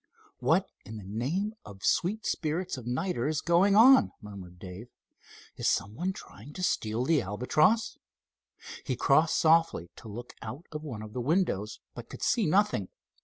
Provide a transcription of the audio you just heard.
"What in the name of sweet spirits of nitre is going on?" murmured Dave. "Is some one trying to steal the Albatross?" He crossed softly to look out of one of the windows, but could see nothing.